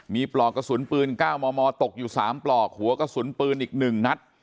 มีปลอกกระสุนปืน๙มมตกอยู่๓ปลอกหัวกระสุนปืนอีก๑นัด